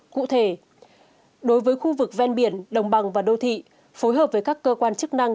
cụ thể đối với khu vực ven biển đồng bằng và đô thị phối hợp với các cơ quan chức năng